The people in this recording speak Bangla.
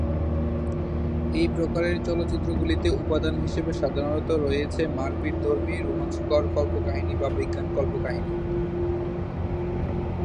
এই প্রকারের চলচ্চিত্রগুলিতে উপাদান হিসেবে সাধারণত রয়েছে মারপিঠধর্মী, রোমাঞ্চকর, কল্পকাহিনী বা বিজ্ঞান-কল্পকাহিনী।